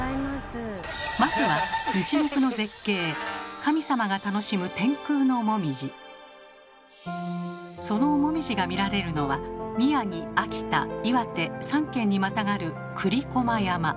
まずはそのもみじが見られるのは宮城・秋田・岩手３県にまたがる栗駒山。